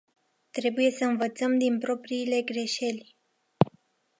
Trebuie să învățăm din propriile greșeli.